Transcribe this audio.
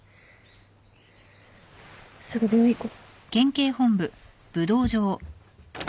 すぐ病院行こ。